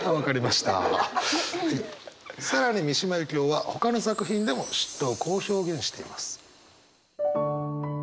更に三島由紀夫はほかの作品でも嫉妬をこう表現しています。